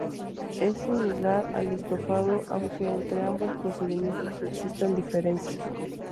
Es similar al estofado, aunque entre ambos procedimientos existen diferencias.